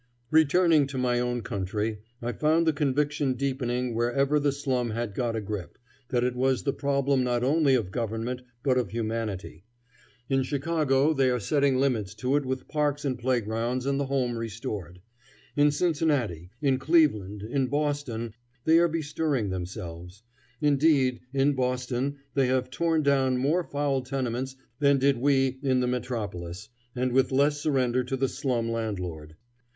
Returning to my own country, I found the conviction deepening wherever the slum had got a grip, that it was the problem not only of government but of humanity. In Chicago they are setting limits to it with parks and playgrounds and the home restored. In Cincinnati, in Cleveland, in Boston, they are bestirring themselves. Indeed, in Boston they have torn down more foul tenements than did we in the metropolis, and with less surrender to the slum landlord.